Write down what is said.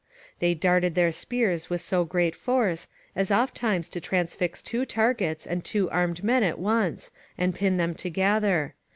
They darted their spears with so great force, as ofttimes to transfix two targets and two armed men at once, and pin them together.